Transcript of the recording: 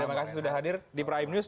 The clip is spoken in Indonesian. terima kasih sudah hadir di prime news